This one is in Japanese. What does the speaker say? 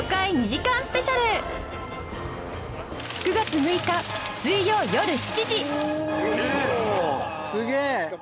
９月６日水曜よる７時えっ！？